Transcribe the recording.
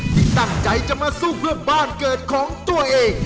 ที่ตั้งใจจะมาสู้เพื่อบ้านเกิดของตัวเอง